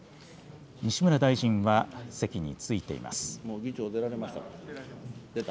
西村大臣は席に着いています。